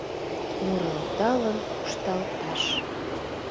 Муралталын кушталташ.